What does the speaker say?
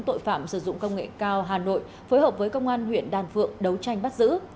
tội phạm sử dụng công nghệ cao hà nội phối hợp với công an huyện đàn phượng đấu tranh bắt giữ